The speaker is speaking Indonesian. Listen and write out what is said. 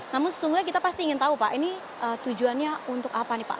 namun sesungguhnya kita pasti ingin tahu pak ini tujuannya untuk apa nih pak